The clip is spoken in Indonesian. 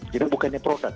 jadi bukannya produk